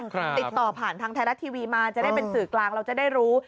ติดต่อผ่านทางไทยรัฐทีวีมาจะได้เป็นสื่อกลางเราจะได้รู้